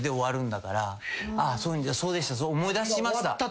思い出しました！